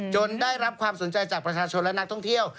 ได้รับความสนใจจากประชาชนและนักท่องเที่ยว